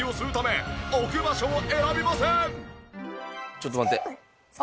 ちょっと待って。